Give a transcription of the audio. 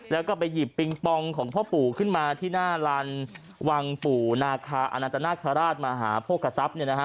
แล้วก็ไปหยิบปิงปองของพ่อปู่ขึ้นมาที่หน้าลานวังปู่นาคาอนันตนาคาราชมหาโภคศัพย์